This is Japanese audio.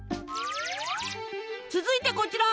続いてこちら。